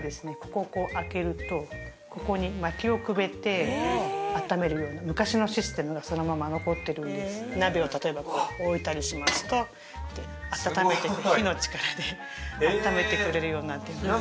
ここをこう開けるとここに薪をくべてあっためるように昔のシステムがそのまま残ってるんです鍋を例えばこう置いたりしますと温めてくれる火の力であっためてくれるようになってるんです